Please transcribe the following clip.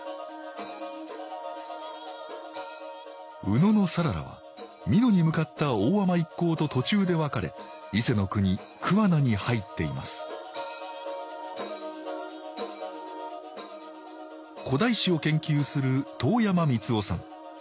野讃良は美濃に向かった大海人一行と途中で別れ伊勢国桑名に入っています古代史を研究する遠山美都男さん。